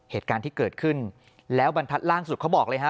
เหตุการณ์ที่เกิดขึ้นแล้วบรรทัดล่าสุดเขาบอกเลยฮะ